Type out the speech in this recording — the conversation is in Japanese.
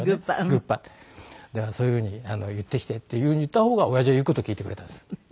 だからそういうふうに「言ってきて」っていうふうに言った方が親父は言う事を聞いてくれたんです。